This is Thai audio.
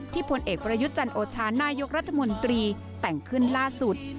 ผลเอกประยุทธ์จันโอชานายกรัฐมนตรีแต่งขึ้นล่าสุด